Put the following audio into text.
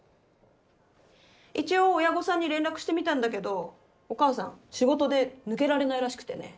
一応親御さんに連絡してみたんだけどお母さん仕事で抜けられないらしくてね。